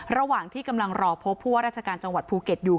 ระหว่างที่กำลังรอพบผู้ว่าราชการจังหวัดภูเก็ตอยู่